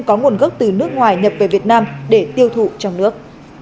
có nguồn gốc từ nước ngoài nhập về việt nam để tiêu thụ trong nước